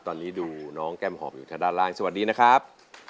ตอนนี้ดูน้องแก้มหอมอยู่ทางด้านล่างสวัสดีนะครับ